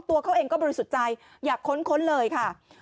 ตัวเขาเองก็บริสุทธิ์ใจอยากค้นเลยค่ะ